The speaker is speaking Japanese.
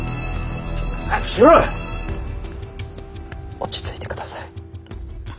落ち着いて下さい。